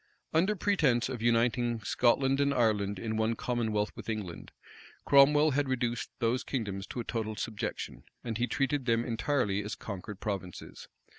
Under pretence of uniting Scotland and Ireland in one commonwealth with England, Cromwell had reduced those kingdoms to a total subjection; and he treated them entirely as conquered provinces.